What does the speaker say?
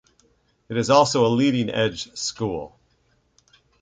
It is also a Leading Edge school.